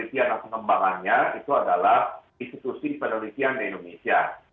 ya tentunya yang memimpin penelitian dan pengembangannya itu adalah institusi penelitian di indonesia